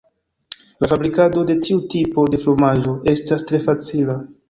La fabrikado de tiu tipo de fromaĝo estas tre facila.